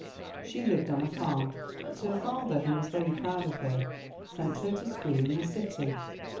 She lived on a farm, but her father, who was very proud of her, sent her to school in the city.